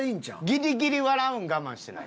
ギリギリ笑うん我慢してない？